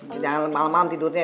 jangan malem malem tidurnya ya